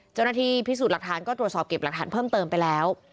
เจ้าหน้าที่พิสูจน์หลักฐานก็ตรวจสอบเก็บหลักฐานเพิ่มเติมไปแล้ว